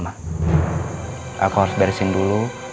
aku harus beresin dulu